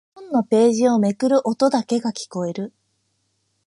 本のページをめくる音だけが聞こえる。